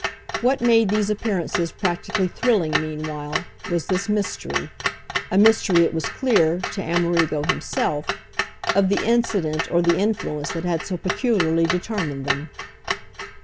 What made these appearances practically thrilling, meanwhile, was this mystery a mystery, it was clear, to Amerigo himself of the incident or the influence that had so peculiarly determined them.